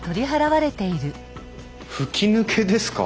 吹き抜けですか！？